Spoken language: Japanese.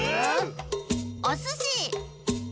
おすし！